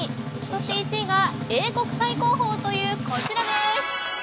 そして１位が英国最高峰というこちら。